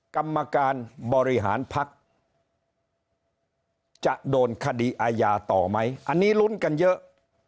กรรมการบริหารพักจะโดนคดีอาญาต่อไหมอันนี้ลุ้นกันเยอะ